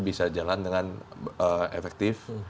bisa jalan dengan efektif